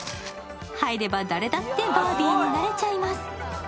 入れば誰だってバービーになれちゃいます。